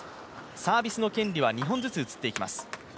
サービスの権利は、２本ずつ移っていきます。